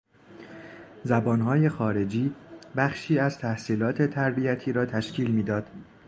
زبانهای خارجی بخشی از تحصیلات تربیتی را تشکیل میداد.